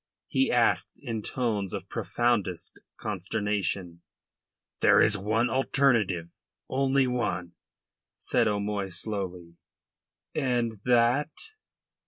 he asked in tones of profoundest consternation. "There is one alternative one only," said O'Moy slowly. "And that?"